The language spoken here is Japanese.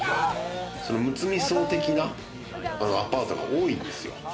むつみ荘的なアパートが多いんですよ。